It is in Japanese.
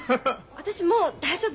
私もう大丈夫。